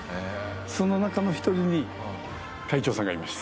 その中の１人に会長さんがいました。